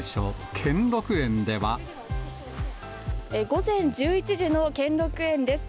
午前１１時の兼六園です。